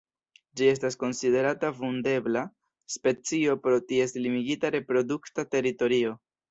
Ĝi estas konsiderata vundebla specio pro ties limigita reprodukta teritorio.